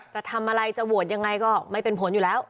จะทำอะไรจะโหวตยังไงก็ไม่เป็นผลอยู่แล้ว